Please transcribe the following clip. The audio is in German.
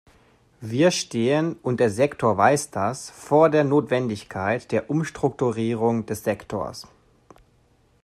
Wir stehen und der Sektor weiß das vor der Notwendigkeit der Umstrukturierung des Sektors.